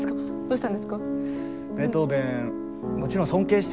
どうしたんですか？